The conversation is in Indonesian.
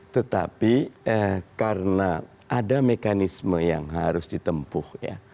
tetapi karena ada mekanisme yang harus ditempuh ya